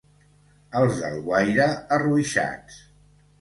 Els d'Alguaire, arruixats.